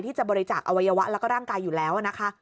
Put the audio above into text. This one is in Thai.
จะบริจาคอวัยวะแล้วก็ร่างกายอยู่แล้วนะคะ